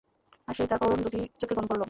আর, সেই তার করুণ দুটি চোখের ঘন পল্লব।